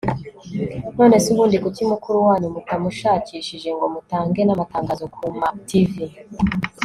nonese ubundi kuki mukuru wanyu mutamushakishije ngo mutange namatangazo kuma tv